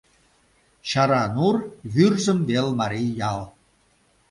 Чаранур — Вӱрзым вел марий ял.